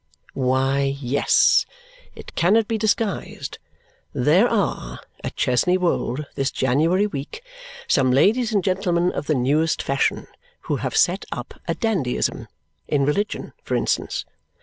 Why, yes. It cannot be disguised. There ARE at Chesney Wold this January week some ladies and gentlemen of the newest fashion, who have set up a dandyism in religion, for instance.